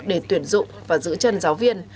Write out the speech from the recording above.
để tuyển dụng và giữ chân giáo viên